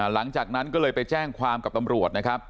หลังจากนั้นก็เลยไปแจ้งความกับตำรวจนะครับ